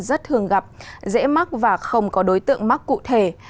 rất thường gặp dễ mắc và không có đối tượng mắc cụ thể